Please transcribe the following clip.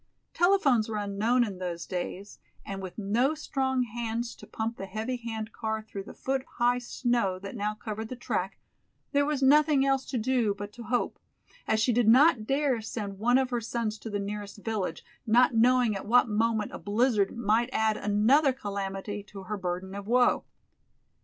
Telephones were unknown in those days, and with no strong hands to pump the heavy hand car through the foot high snow that now covered the track, there was nothing else to do but to hope, as she did not dare send one of her sons to the nearest village, not knowing at what moment a blizzard might add another calamity to her burden of woe.